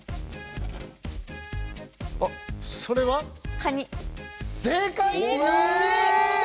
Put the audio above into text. あっそれは？ええ！